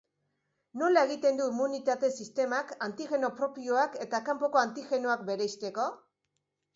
Nola egiten du immunitate-sistemak antigeno propioak eta kanpoko antigenoak bereizteko?